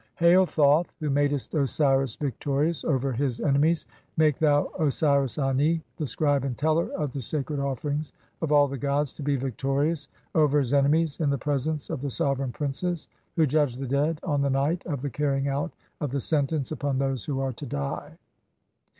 63 " "Hail, Thoth, who madest Osiris victorious (2) over his ene "mies, make thou Osiris Ani, the scribe and teller of the sacred "offerings of all the gods, (3) to be victorious over his enemies "in the presence of the sovereign princes who judge the dead, "on the night (4) of the carrying out of the sentence upon those "who are to die."